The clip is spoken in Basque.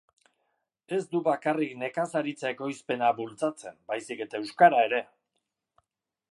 Ez du bakarrik nekazaritza-ekoizpena bultzatzen, baizik eta euskara ere.